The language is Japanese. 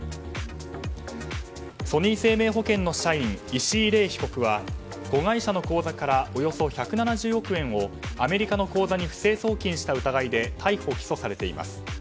ソニー生命保険の社員石井伶容疑者は子会社の口座からおよそ１７０億円をアメリカの口座に不正送金した疑いで逮捕・起訴されています。